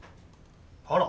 あら。